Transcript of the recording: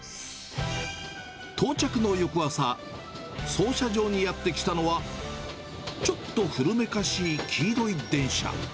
到着の翌朝、操車場にやって来たのは、ちょっと古めかしい黄色い電車。